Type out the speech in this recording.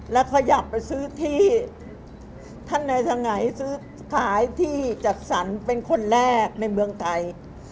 แล้วขยับไปซื้อที่ท่านนายสงัยซื้อขายที่จัดสรรเป็นคนแรกในเมืองไทย